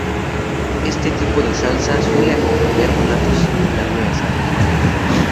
Este tipo de salsa suele acompañar platos de carne de caza.